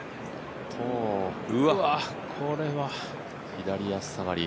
左足下がり。